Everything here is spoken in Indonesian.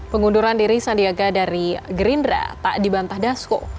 pengunduran diri sandiaga dari gerindra tak dibantah dasko